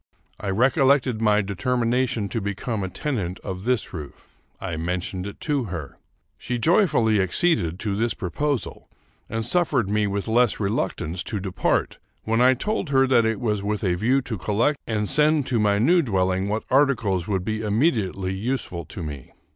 I recollected my determination to become a tenant of this roof. I men tioned it to her. She joyfully acceded to this proposal, and suffered me with less reluctance to depart when I told her that it was with a view to collect and send to my new dwelling what articles would be immediately useful to me.